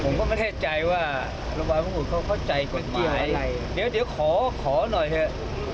ผมก็ไม่แน่ใจว่าโรงพยาบาลมหุ่นเขาเข้าใจกฎหมายเดี๋ยวขอหน่อยเถอะ